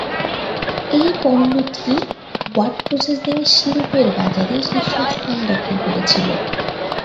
এই পণ্যটি word processing শিল্পের বাজারে শীর্ষস্থান দখল করেছিল।